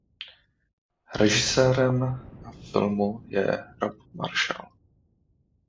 Režisérem filmu je Rob Marshall.